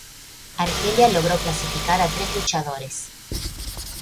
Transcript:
Argelia logró clasificar a tres luchadores.